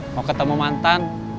mau ketemu mantan